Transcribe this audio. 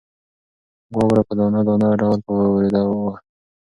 واوره په دانه دانه ډول په وورېدو وه.